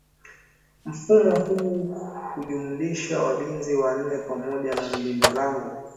Mfumo huu hujumlisha walinzi wanne pamoja na mlinda lango